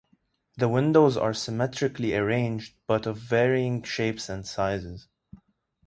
The windows are symmetrically arranged but of varying shapes and sizes.